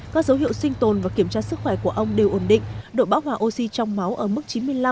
các dấu hiệu sinh tồn và kiểm tra sức khỏe của ông đều ổn định độ bão hòa oxy trong máu ở mức chín mươi năm chín mươi bảy